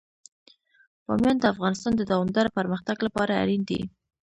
بامیان د افغانستان د دوامداره پرمختګ لپاره اړین دي.